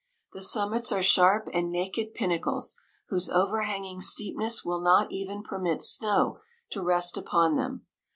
The summits are sharp and naked pin nacles, whose overhanging steepness will not even permit snow to rest upon them.